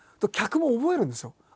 客も覚えるんですよ。